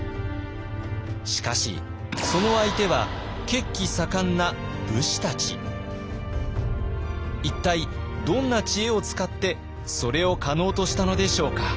しかしその相手は一体どんな知恵を使ってそれを可能としたのでしょうか。